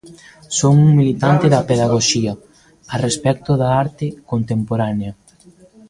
Son un militante da pedagoxía a respecto da arte contemporánea.